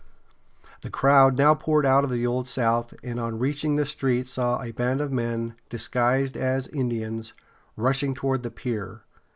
The crowd now poured out of the Old South, and on reaching the street saw a band of men, disguised as Indians, rushing toward the pier.